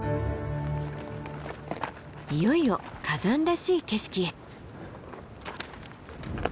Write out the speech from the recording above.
いよいよ火山らしい景色へ。